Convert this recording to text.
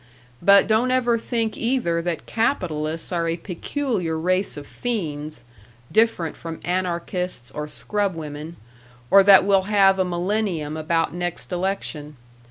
But don't ever think either that capitalists are a peculiar race of fiends, different from anarchists or scrubwomen, or that we'll have a millennium about next election.